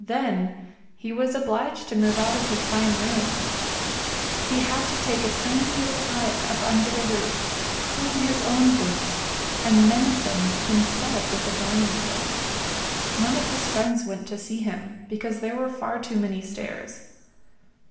Then he was obliged to move out of his fine rooms. He had to take a tiny little attic up under the roof, clean his own boots, and mend them himself with a darning needle. None of his friends went to see him, because there were far too many stairs.